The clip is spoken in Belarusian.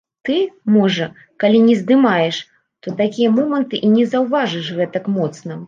Ты, можа, калі не здымаеш, то такія моманты і не заўважыш гэтак моцна.